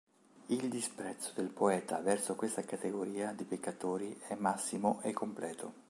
Il disprezzo del poeta verso questa categoria di peccatori è massimo e completo.